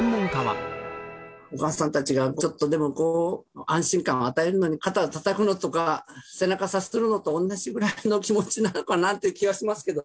お母さんたちがちょっとでもこう、安心感を与えるのに肩をたたくのとか、背中さするのとおんなしぐらいの気持ちなのかなという気もします